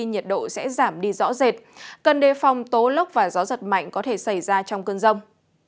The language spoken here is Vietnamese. nhiệt độ sẽ giảm đi rõ rệt cần đề phòng tố lốc và gió giật mạnh có thể xảy ra trong cơn rông